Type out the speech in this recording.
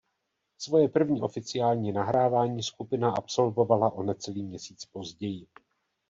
Svoje první oficiální nahrávání skupina absolvovala o necelý měsíc později.